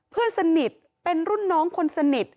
เพื่อนสนิทเป็นรุ่นน้องคนสนิท